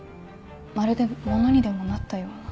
まるで物にでもなったような。